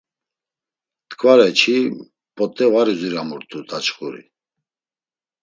T̆ǩvare çi p̌ot̆e var uziramurt̆u daçxuri.